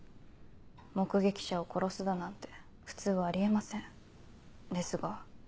目撃者を殺すだなんて普通はあり得ませんですが。